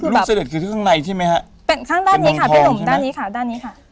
ลูกเสด็จได้อย่างกับในข้างในใช่ไหมฮะ